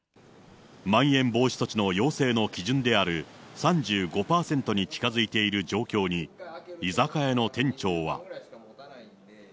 まん延防止措置の要請の基準である３５％に近づいている状況に、居酒屋の店長は。